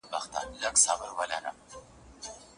بدن ویټامین ډي ته کلسترول کاروي.